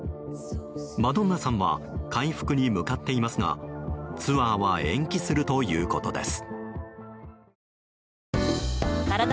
マドンナさんは回復に向かっていますがツアーは延期するということです。